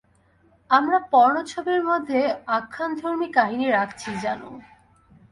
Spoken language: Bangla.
আমরা পর্নো ছবির মধ্যে আখ্যানধর্মী কাহিনী রাখছি, জানু।